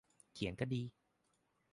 เขียนก็ดี